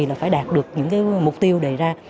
là phải đạt được những mục tiêu đề ra